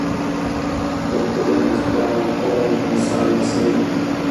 قطب الدین بختیار د موسی لمسی دﺉ.